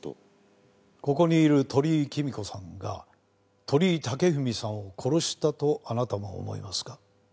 ここにいる鳥居貴美子さんが鳥居武文さんを殺したとあなたも思いますか？